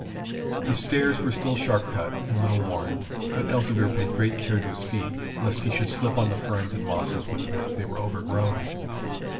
The stairs were still sharp cut and little worn, but Elzevir paid great care to his feet, lest he should slip on the ferns and mosses with which they were overgrown.